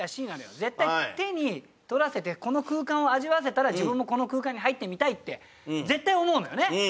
絶対手に取らせてこの空間を味わわせたら自分もこの空間に入ってみたいって絶対思うのよね。